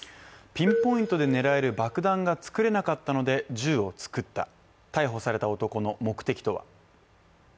ピンポイントで狙える爆弾が作れなかったので銃を作った、逮捕された男の目的とは。